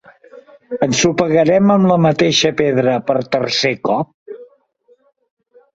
¿Ensopegarem amb la mateixa pedra per tercer cop?